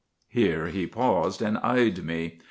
"Here he paused and eyed me.